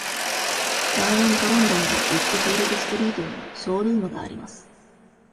ダーウェントロンドンのウィットフィールド・ストリートにもショールームがあります。